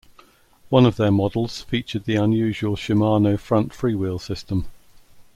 One of their models featured the unusual Shimano front freewheel system.